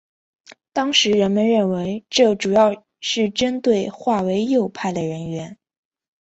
当时人们认为这主要是针对划为右派的人员。